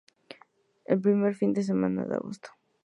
El primer fin de semana de agosto.